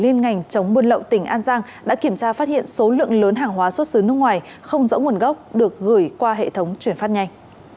liên ngành chống buôn lậu tỉnh an giang đã kiểm tra phát hiện số lượng lớn hàng hóa xuất xứ nước ngoài không rõ nguồn gốc được gửi qua hệ thống chuyển phát nhanh